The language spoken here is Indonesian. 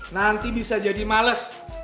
nanti bisa jadi males